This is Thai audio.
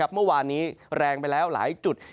เมื่อวานนี้แรงไปแล้วหลายจุด